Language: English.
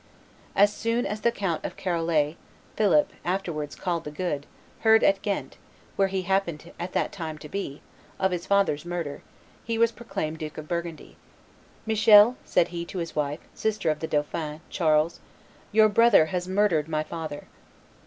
As soon as the Count of Charolais, Philip, afterwards called the Good, heard at Ghent, where he happened at that time to be, of his father's murder, he was proclaimed Duke of Burgundy. "Michelle," said he to his wife, sister of the dauphin, Charles, "your brother has murdered my father."